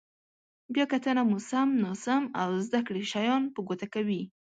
بیا کتنه مو سم، ناسم او زده کړي شیان په ګوته کوي.